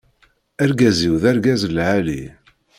Argaz-iw d argaz lɛali.